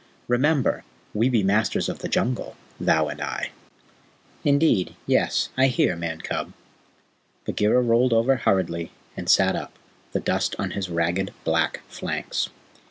Remember, we be the Masters of the Jungle, thou and I." "Indeed, yes; I hear, Man cub." Bagheera rolled over hurriedly and sat up, the dust on his ragged black flanks.